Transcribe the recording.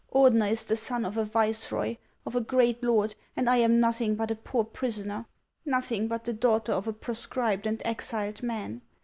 Ordener is the son of a viceroy, of a great lord, and I am nothing but a poor prisoner, nothing but the daughter of a proscribed and exiled man.